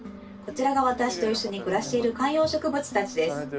こちらが私と一緒に暮らしている観葉植物たちです。